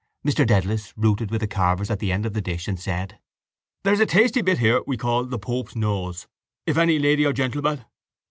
Mr Dedalus rooted with the carvers at the end of the dish and said: —There's a tasty bit here we call the pope's nose. If any lady or gentleman...